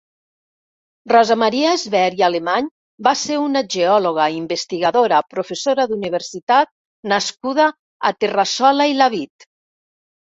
Rosa Maria Esbert i Alemany va ser una geòloga, investigadora, professora d'universitat nascuda a Terrassola i Lavit.